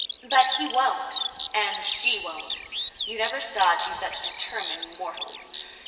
"But he won't. And she won't. You never saw two such determined mortals.